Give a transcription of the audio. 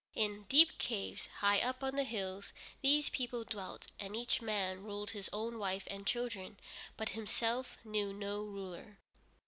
In deep caves, high up on the hills, these people dwelt, and each man ruled his own wife and children, but himself knew no ruler.